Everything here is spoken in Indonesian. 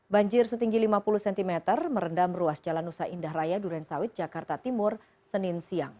banjir setinggi lima puluh cm merendam ruas jalan nusa indah raya durensawit jakarta timur senin siang